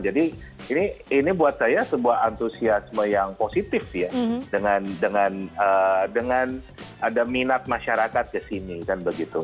jadi ini buat saya sebuah antusiasme yang positif ya dengan ada minat masyarakat kesini dan begitu